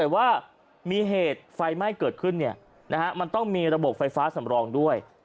แต่ว่ามีเหตุไฟไหม้เกิดขึ้นมันต้องมีระบบไฟฟ้าสำรองด้วย